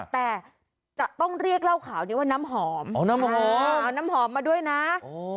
แต่จะต้องเรียกเหล้าขาวนี้ว่าน้ำหอมอ๋อน้ำหอมเอาน้ำหอมมาด้วยนะโอ้